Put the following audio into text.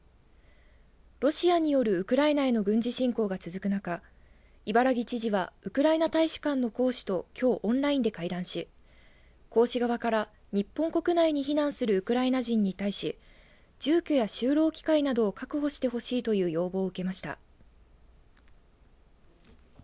ロシアによるウクライナへの軍事侵攻が続く中伊原木知事はウクライナ大使館の公使ときょうオンラインで会談し公使側から日本国内に避難するウクライナ人に対し住居や就労機会などを確保してほしいという要望を受けました。